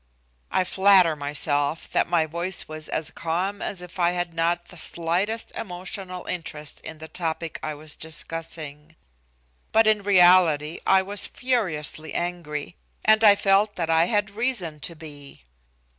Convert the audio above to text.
I flatter myself that my voice was as calm as if I had not the slightest emotional interest in the topic I was discussing. But in reality I was furiously angry. And I felt that I had reason to be.